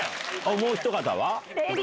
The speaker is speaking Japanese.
もうひと方は？